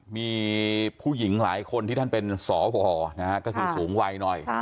มีผู้หญิงหลายคนที่ท่านเป็นสวนะฮะก็คือสูงวัยหน่อย